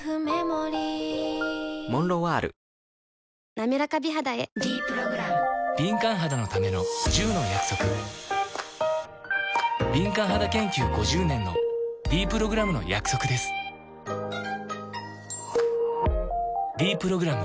なめらか美肌へ「ｄプログラム」敏感肌研究５０年のｄプログラムの約束です「ｄプログラム」